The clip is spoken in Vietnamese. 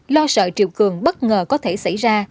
lo sợ triều cường bất ngờ có thể xảy ra